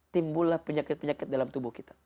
timbulah penyakit penyakit dalam tubuh kita